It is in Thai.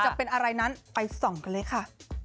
จะเป็นอะไรนั้นไปส่องกันเลยค่ะ